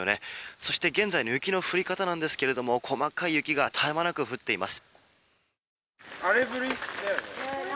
そして、現在の雪の降り方なんですけれども細かい雪が絶え間なく降っています。